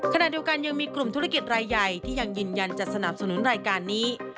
ขณะเดียวกันยังมีกลุ่มธุรกิจรายใหญ่ที่ยังยืนยันจะสนับสนุนรายการนี้